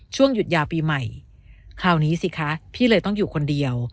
ช่วงหยุดยาวปีใหม่คราวนี้สิคะพี่เลยต้องอยู่คนเดียว